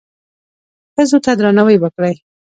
ښځو ته درناوی وکړئ